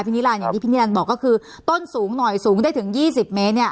นิรันดิอย่างที่พี่นิรันดิบอกก็คือต้นสูงหน่อยสูงได้ถึง๒๐เมตรเนี่ย